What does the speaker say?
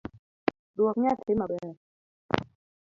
Duok nyathi maber